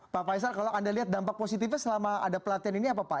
pak faisal kalau anda lihat dampak positifnya selama ada pelatihan ini apa pak